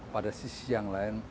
pada sisi yang lain